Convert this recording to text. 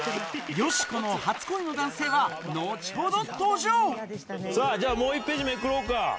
よしこの初恋の男性は後ほどじゃあもう１ページめくろうか。